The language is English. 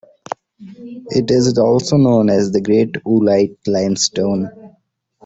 It is also known as the Great Oolite Limestone.